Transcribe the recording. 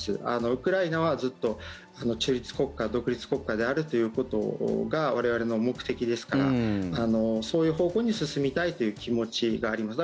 ウクライナはずっと中立国家独立国家であるということが我々の目的ですからそういう方向に進みたいという気持ちがあります。